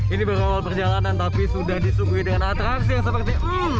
ini baru awal perjalanan tapi sudah disuguhi dengan atraksi yang seperti